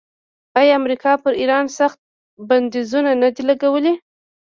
آیا امریکا پر ایران سخت بندیزونه نه دي لګولي؟